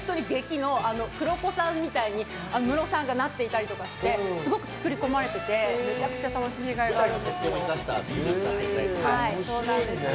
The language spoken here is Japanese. ＰＶも劇の黒子さんみたいにムロさんがなってたりして、すごく作り込まれていて、めちゃくちゃ楽しいんですよ。